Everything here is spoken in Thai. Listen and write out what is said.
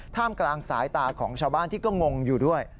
กลางสายตาของชาวบ้านที่ก็งงอยู่ด้วย